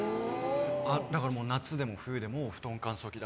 だから夏でも冬でも布団乾燥機で。